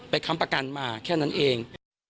ค้ำประกันมาแค่นั้นเอง